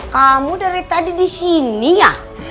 kamu dari tadi di sini ya